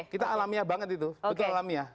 kita alamiah banget itu betul alamiah